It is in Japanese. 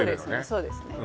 そうですね